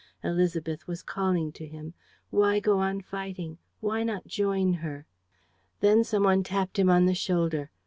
Élisabeth was calling to him. Why go on fighting? Why not join her? Then some one tapped him on the shoulder.